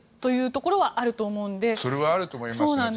それは確かにあると思います。